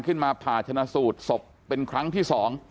ขึ้นมาผ่าชนะสูตรศพเป็นครั้งที่๒